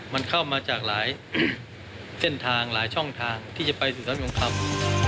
มันเข้ามาจากหลายเส้นทางหลายช่องทางที่จะไปสู่การยงธรรม